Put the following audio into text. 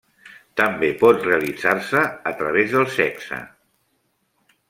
També pot realitzar-se a través del sexe.